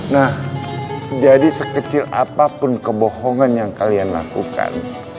nah jadi sekecil apapun kebohongan yang kalian lakukan